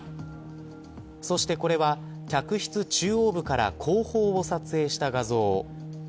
そして、これは客室中央部から後方を撮影した画像。